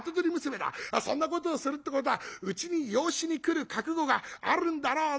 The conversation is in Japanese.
そんなことをするってことはうちに養子に来る覚悟があるんだろうね！』